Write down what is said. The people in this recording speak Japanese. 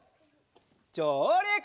じょうりく！